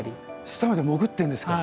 下まで潜ってるんですか？